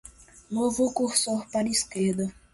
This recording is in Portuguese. Mova o cursor para a esquerda